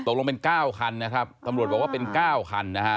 ตกลงเป็น๙คันนะครับตำรวจบอกว่าเป็น๙คันนะฮะ